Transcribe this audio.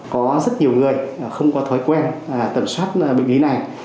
có rất nhiều người không có thói quen tẩm soát bệnh lý này